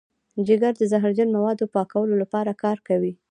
جگر د زهرجن موادو پاکولو لپاره کار کوي.